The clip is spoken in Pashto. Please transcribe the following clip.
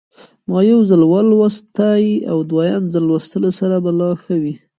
ما یو ځل ولوستی او د دویم ځل لوستلو سره به لا ښه وي.